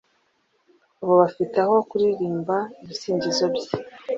abo bafite aho kuririmba ibisingizo bye